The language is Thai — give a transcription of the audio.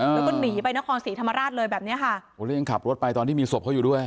แล้วก็หนีไปนครศรีธรรมราชเลยแบบเนี้ยค่ะโอ้แล้วยังขับรถไปตอนที่มีศพเขาอยู่ด้วย